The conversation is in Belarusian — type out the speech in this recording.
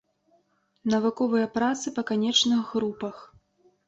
Навуковыя працы па канечных групах.